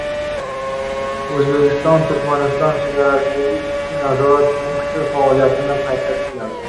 O‘zbekiston–Turkmaniston chegarasidagi ikkita nazorat punkti faoliyati qayta tiklandi